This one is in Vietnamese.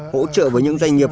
hỗ trợ với những doanh nghiệp